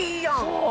そう。